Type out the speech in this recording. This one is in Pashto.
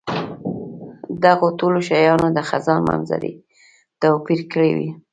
دغو ټولو شیانو د خزان منظرې توپیر کړی وو.